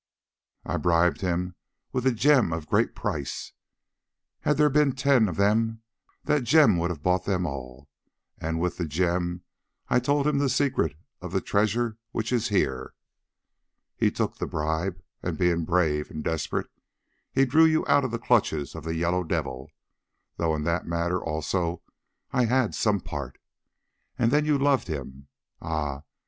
"I bribed him with a gem of great price—had there been ten of them, that gem would have bought them all—and with the gem I told him the secret of the treasure which is here. He took the bribe, and being brave and desperate, he drew you out of the clutches of the Yellow Devil, though in that matter also I had some part; and then you loved him. Ah!